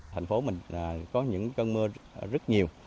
thành phố mình có những cơn mưa rất nhiều